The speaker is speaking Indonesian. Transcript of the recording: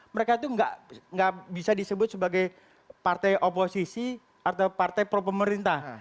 mereka itu nggak bisa disebut sebagai partai oposisi atau partai pro pemerintah